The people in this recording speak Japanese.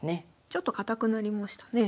ちょっと堅くなりましたね。